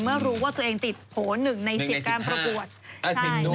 เมื่อรู้ว่าตัวเองติดโผล่๑ใน๑๐การประกวดใช่